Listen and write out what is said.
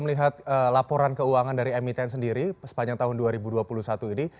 melihat laporan keuangan dari emiten sendiri sepanjang tahun dua ribu dua puluh satu ini